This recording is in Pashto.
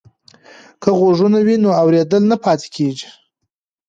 که غوږونه وي نو اوریدل نه پاتیږي.